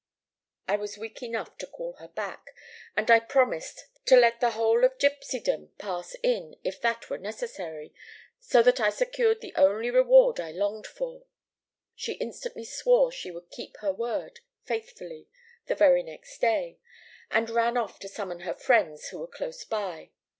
"I was weak enough to call her back, and I promised to let the whole of gipsydom pass in, if that were necessary, so that I secured the only reward I longed for. She instantly swore she would keep her word faithfully the very next day, and ran off to summon her friends, who were close by.